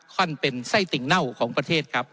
ขั้นเป็นไส้ติ่งเน่าของประเทศครับ